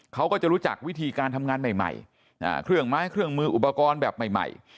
เขาก็จะรู้จักวิธีการทำงานใหม่เครื่องไม้เครื่องมืออุปกรณ์แบบใหม่